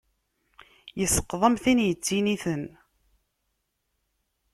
Isqeḍ am tin ittiniten.